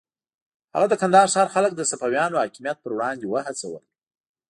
هغه د کندهار ښار خلک د صفویانو حاکمیت پر وړاندې وهڅول.